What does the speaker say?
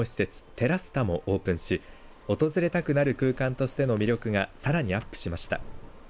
ＴＥＲＲＡＳＴＡもオープンし訪れたくなる空間としての魅力がさらにアップしました。